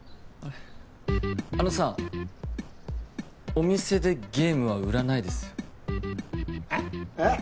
あのさお店でゲームは売らないですえっ？